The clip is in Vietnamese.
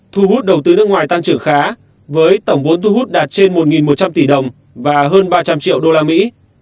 thu hút đầu tư nước ngoài tăng trưởng khá với tổng vốn thu hút đạt trên một một trăm linh tỷ đồng và hơn ba trăm linh triệu đô la mỹ